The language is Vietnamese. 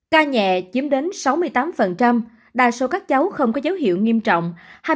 ca nhẹ chiếm đến sáu mươi tám đa số các cháu không có dấu hiệu nghiêm trọng